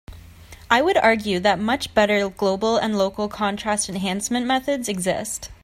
I would argue that much better global and local contrast enhancement methods exist.